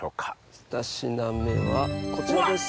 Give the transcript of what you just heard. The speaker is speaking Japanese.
ふた品目はこちらです。